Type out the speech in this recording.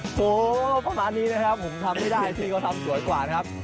โหประมาณนี้นะครับผมทำไม่ได้พี่เขาทำสวยกว่านะครับ